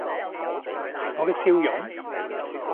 我嘅笑容？